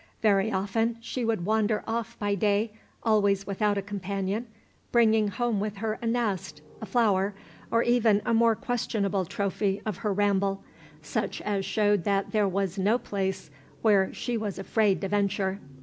Very often she would wander off by day, always without a companion, bringing home with her a nest, a flower, or even a more questionable trophy of her ramble, such as showed that there was no place where she was afraid to venture.